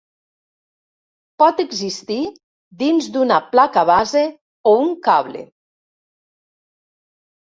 Pot existir dins d'una placa base o un cable.